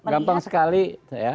gampang sekali ya